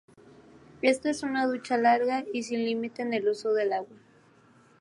Esta es una ducha larga y sin límite en el uso del agua.